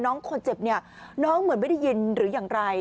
น้องคนเจ็บเนี่ยน้องเหมือนไม่ได้ยินหรืออย่างไร